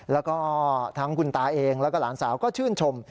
แล้วก็ทั้งคุณตาเองแล้วก็หลานสาวก็ชื่นชม